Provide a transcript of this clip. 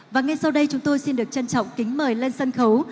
và ngay sau đây chúng tôi xin được trân trọng kính mời lên sân khấu